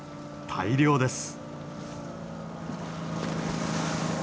大漁です。